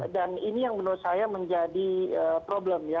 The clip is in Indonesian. dan ini yang menurut saya menjadi problem ya